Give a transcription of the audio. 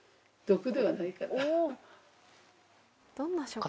毒ではないから。